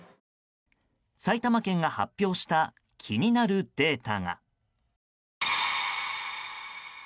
埼玉県が発表した気になるデータが。